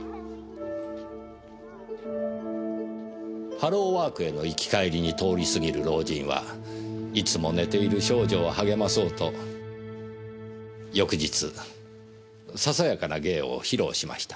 ハローワークへの行き帰りに通り過ぎる老人はいつも寝ている少女を励まそうと翌日ささやかな芸を披露しました。